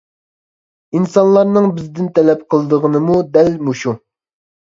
ئىنسانلارنىڭ بىزدىن تەلەپ قىلىدىغىنىمۇ دەل مۇشۇ!